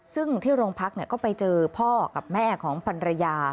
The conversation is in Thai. ซึ่งที่โรงพักก็ไปเจอพ่อกับแม่ของพันรยา